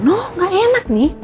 nuh gak enak nih